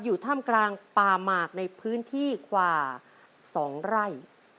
อยู่ถ้ำกลางป่าหมากในพื้นที่กว่า๒ไร่